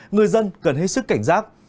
người dân cần hết sức cảnh giác